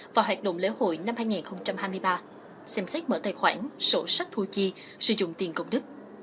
và hoạt động lễ hội năm hai nghìn hai mươi ba xem xét mở tài khoản sổ sách thu chi sử dụng tiền công đức